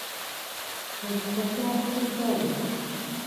Ekifo kyali kiggale.